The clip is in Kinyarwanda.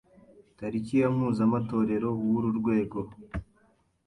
Tariki ya Mpuzamatorero w’uru rwego